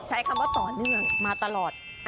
ใช้คำว่าต่อเนื่องมาตลอด